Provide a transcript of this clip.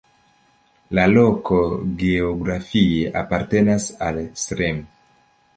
La loko geografie apartenas al Srem.